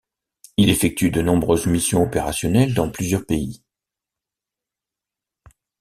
Il effectue de nombreuses missions opérationnelles dans plusieurs pays.